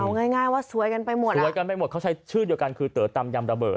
เอาง่ายว่าสวยกันไปหมดสวยกันไปหมดเขาใช้ชื่อเดียวกันคือเต๋อตำยำระเบิด